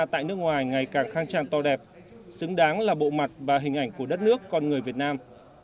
tại nước ngoài ngày càng khang trang to đẹp xứng đáng là bộ mặt và hình ảnh của đất nước con người việt nam